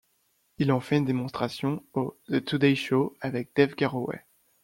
Il en fait une démonstration au The Today Show avec Dave Garroway.